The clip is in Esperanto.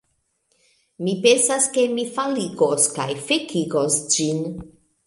Mi pensas, ke mi faligos kaj fekigos ĝin